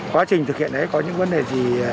quá trình thực hiện đấy có những vấn đề gì